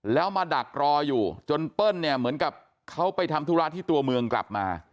แล้วมาดักรออยู่จนเปิ้ลเนี่ยเหมือนกับเขาไปทำธุระที่ตัวเมืองกลับมา